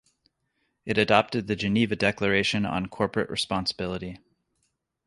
It adopted the Geneva Declaration on corporate responsibility.